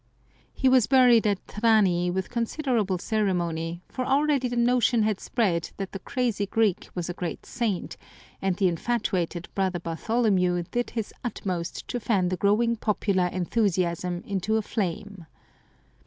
He was buried at Trani with considerable cere mony, for already the notion had spread that the crazy Greek was a great saint, and the infatuated Brother Bartholomew did his utmost to fan the growing popular enthusiasm into a flame.